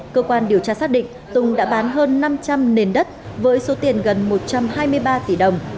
cơ quan điều tra xác định tùng đã bán hơn năm trăm linh nền đất với số tiền gần một trăm hai mươi ba tỷ đồng